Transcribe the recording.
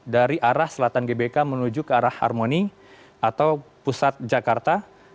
dari arah selatan gbk menuju ke arah harmoni atau pusat jakarta